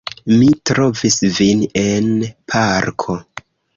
Mi trovis vin en parko!